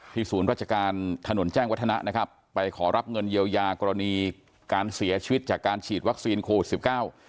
ศูนย์ราชการถนนแจ้งวัฒนะนะครับไปขอรับเงินเยียวยากรณีการเสียชีวิตจากการฉีดวัคซีนโควิดสิบเก้า